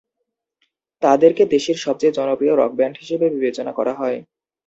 তাদেরকে দেশের সবচেয়ে জনপ্রিয় রক ব্যান্ড হিসেবে বিবেচনা করা হয়।